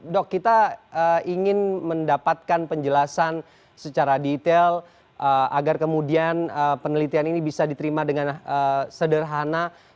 dok kita ingin mendapatkan penjelasan secara detail agar kemudian penelitian ini bisa diterima dengan sederhana